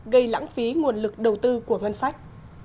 gây lãng phí nguồn lực đầu tư của ngân sách